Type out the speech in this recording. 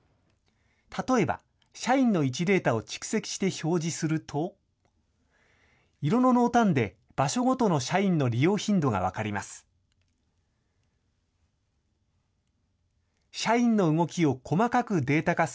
例えば、社員の位置データを蓄積して表示すると、色の濃淡で場所ごとの社員の利用頻度が分かります。